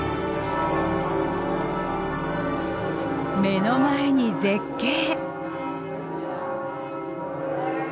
目の前に絶景。